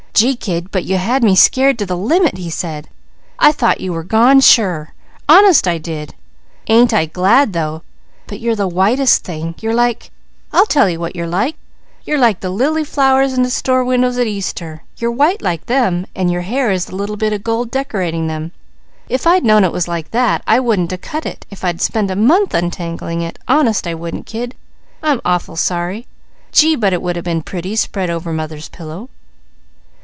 "Gee kid, but you had me scared to the limit!" he said. "I thought you were gone, sure. Honest I did! Ain't I glad though! But you're the whitest thing! You're like I'll tell you what you're like. You're like the lily flowers in the store windows at Easter. You're white like them, and your hair is the little bit of gold decorating them. If I'd known it was like that I wouldn't a cut it if I'd spent a month untangling it. Honest I wouldn't, kid! I'm awful sorry! Gee, but it would a been pretty spread over mother's pillow."